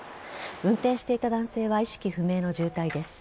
運転していた男性は意識不明の重体です。